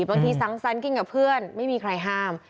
บางทีสังสรรคิ้งกับเพื่อนไม่มีใครห้าม